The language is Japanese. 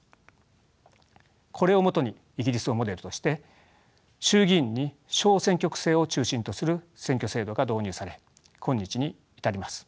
これを基にイギリスをモデルとして衆議院に小選挙区制を中心とする選挙制度が導入され今日に至ります。